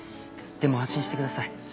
でも安心してください。